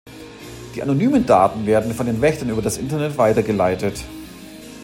Die anonymen Daten werden von den Wächtern über das Internet weitergeleitet.